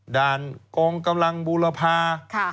ด่านกองกำลังบูรพา